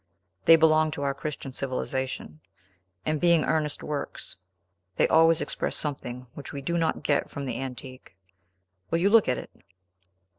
They belong to our Christian civilization; and, being earnest works, they always express something which we do not get from the antique. Will you look at it?"